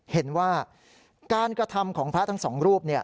เห็นว่าการกระทำของพระทั้งสองรูป